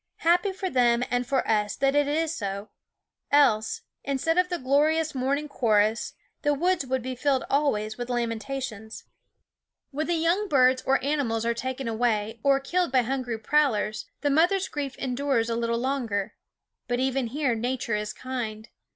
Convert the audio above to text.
Happy for them and for us that it is so; else, instead of the glorious morning chorus, the woods would be filled always with lamentations. When the young birds or animals are taken away, or killed by hungry prowlers, the mother's grief endures a little longer. But even here Nature is kind.